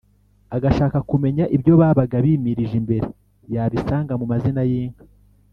agashaka kumenya ibyo babaga bimirije imbere, yabisanga mu mazina y’inka.